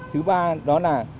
thứ ba đó là